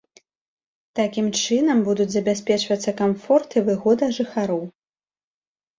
Такім чынам будуць забяспечвацца камфорт і выгода жыхароў.